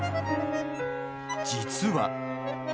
実は。